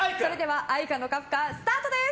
愛花のカフカスタートです！